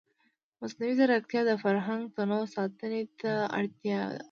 مصنوعي ځیرکتیا د فرهنګي تنوع ساتنې ته اړتیا لري.